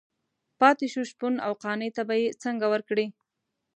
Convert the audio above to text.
پاتې شو شپون او قانع ته به یې څنګه ورکړي.